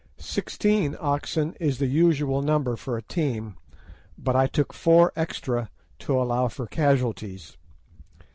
Sixteen oxen is the usual number for a team, but I took four extra to allow for casualties.